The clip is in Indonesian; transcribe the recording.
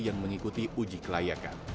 yang mengikuti uji kelayakan